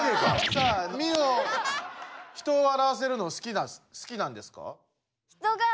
さあミオ人をわらわせるのすきなんですか？